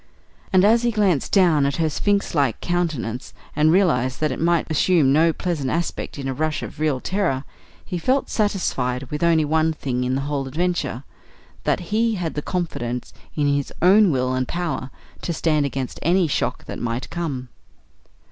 And, as he glanced down at her sphinx like countenance and realised that it might assume no pleasant aspect in a rush of real terror, he felt satisfied with only one thing in the whole adventure that he had confidence in his own will and power to stand against any shock that might come.